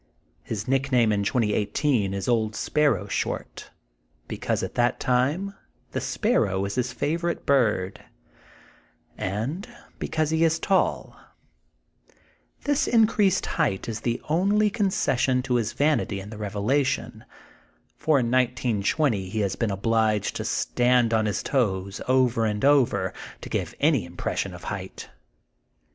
His nick name in 2018 is 01d Sparrow Short,'' be cause at that time the sparrow is his favorite bird, and because he is tall. This increased 80 THE GOLDEN BOOK OF SPRINGFIELD height is the only concession to his vanity in the revelation, for in 1920 he has been obliged to stand on his toes over and over, to give any impression of height.